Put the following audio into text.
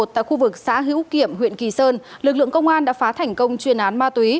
tại khu vực xã hữu kiệm huyện kỳ sơn lực lượng công an đã phá thành công chuyên án ma túy